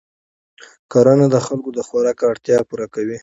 کرنه د خلکو د خوراک اړتیا پوره کوي